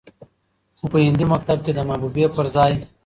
خو په هندي مکتب کې د محبوبې پرځاى